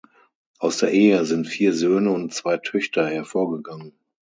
Aus der Ehe sind vier Söhne und zwei Töchter hervorgegangen.